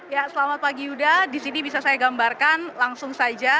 ya selamat pagi yuda di sini bisa saya gambarkan langsung saja